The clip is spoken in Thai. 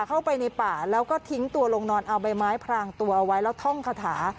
เข้าไปในป่าแล้วก็ทิ้งตัวลงนอนเอาใบไม้พรางตัวเอาไว้แล้วท่องคาถา